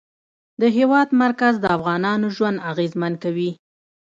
د هېواد مرکز د افغانانو ژوند اغېزمن کوي.